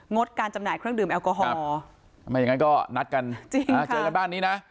ดการจำหน่ายเครื่องดื่มแอลกอฮอล์ไม่อย่างนั้นก็นัดกันจริงอ่าเจอกันบ้านนี้นะ